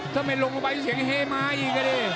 ถ้าไม่ลงลงไปเสียงเฮมาอีกอ่ะดิ